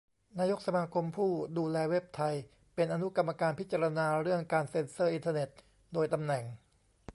นายกสมาคมผู้ดูแลเว็บไทย เป็น อนุกรรมการพิจารณาเรื่องการเซ็นเซอร์อินเทอร์เน็ต โดยตำแหน่ง